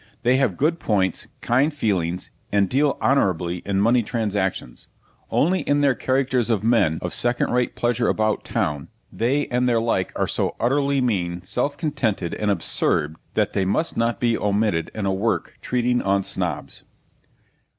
They have good points, kind feelings, and deal honourably in money transactions only in their characters of men of second rate pleasure about town, they and their like are so utterly mean, self contented, and absurd, that they must not be omitted in a work treating on Snobs.